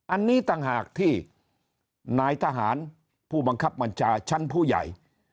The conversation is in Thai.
อันนี้ต่างหากที่นายทหารผู้บังคับบัญชาชั้นผู้ใหญ่